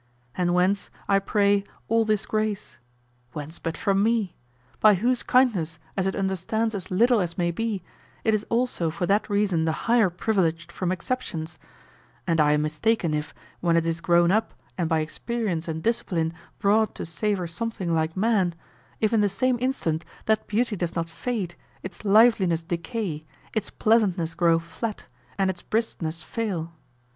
And whence, I pray, all this grace? Whence but from me? by whose kindness, as it understands as little as may be, it is also for that reason the higher privileged from exceptions; and I am mistaken if, when it is grown up and by experience and discipline brought to savor something like man, if in the same instant that beauty does not fade, its liveliness decay, its pleasantness grow flat, and its briskness fail.